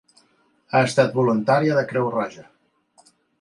Ha estat voluntària de Creu Roja.